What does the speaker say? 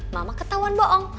mama ketahuan bohong